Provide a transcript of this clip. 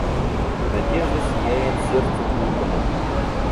Надежда сияет сердцу глупому.